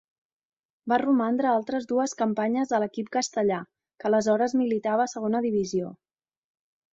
Va romandre altres dues campanyes a l'equip castellà, que aleshores militava a Segona Divisió.